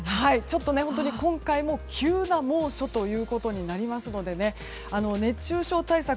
今回も急な猛暑ということになりますので熱中症対策